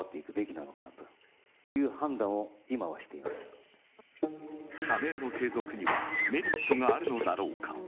「サントリー天然水」社名の継続にはメリットがあるのだろうか。